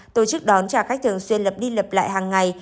tổ chức đón trả khách thường xuyên lập đi lập lại hàng ngày